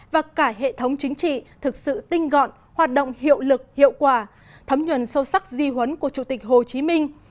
và cả hệ thống chính trị thực sự tinh gọn hoạt động hiệu lực hiệu quả thấm nhuận sâu sắc di huấn của chủ tịch hồ chí minh